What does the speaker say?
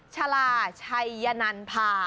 ชาลาชัยยนันพา